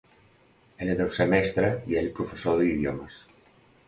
Ella deu ser mestra i ell professor d'idiomes.